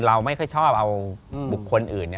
เราไม่ค่อยชอบเอาบุคคลอื่น